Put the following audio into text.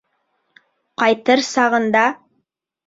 Ҡайтыр сағында: